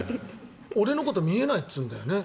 俺のこと見えないっていうんだよね。